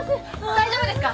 大丈夫ですか！？